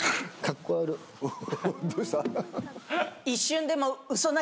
一瞬でも。